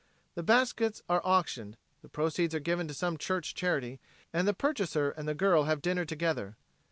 The baskets are auctioned, the proceeds are given to some church charity, and the purchaser and the girl have dinner together.